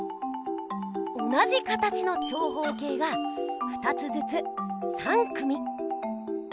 同じ形の長方形が２つずつ３組。